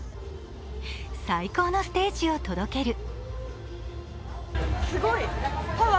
最高のステージを届ける。